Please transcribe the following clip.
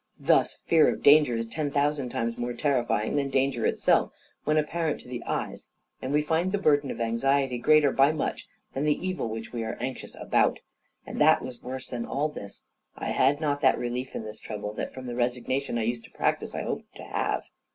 Thus, fear of danger is ten thousand times more terrifying than danger itself, when apparent to the eyes, and we find the burden of anxiety greater, by much, than the evil which we are anxious about; and what was worse than all this, I had not that relief in this trouble that from the resignation I used to practise I hoped to have.